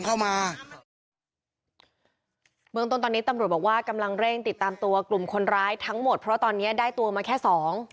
เมืองต้นตอนนี้ตำรวจบอกว่ากำลังเร่งติดตามตัวกลุ่มคนร้ายทั้งหมดเพราะตอนเนี้ยได้ตัวมาแค่สอง